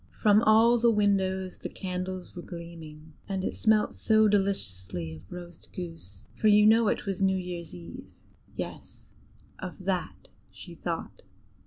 From all the windows the candles were gleaming, and it smelt so deliciously of roast goose, for you know it was new year's eve; yes, of that she thought.